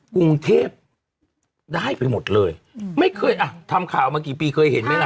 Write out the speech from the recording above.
กรุงเทพได้ไปหมดเลยไม่เคยอ่ะทำข่าวมากี่ปีเคยเห็นไหมล่ะ